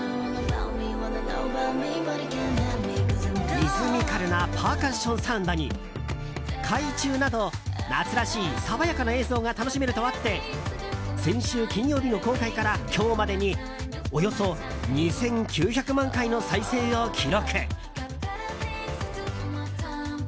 リズミカルなパーカッションサウンドに海中など夏らしい爽やかな映像が楽しめるとあって先週金曜日の公開から今日までにおよそ２９００万回の再生を記録。